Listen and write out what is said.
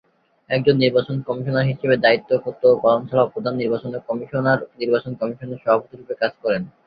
একজন নির্বাচন কমিশনার হিসাবে দায়িত্ব ও কর্তব্য পালন ছাড়াও প্রধান নির্বাচন কমিশনার নির্বাচন কমিশনের সভাপতি রূপে কাজ করেন।